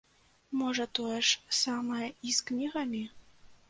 Можа, тое ж самае і з кнігамі?